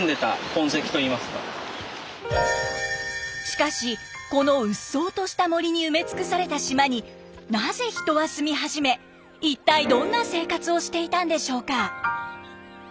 しかしこのうっそうとした森に埋め尽くされた島になぜ人は住み始め一体どんな生活をしていたんでしょうか。